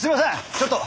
ちょっと。